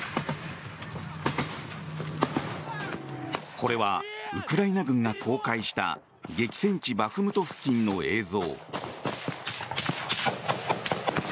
これはウクライナ軍が公開した激戦地バフムト付近の映像。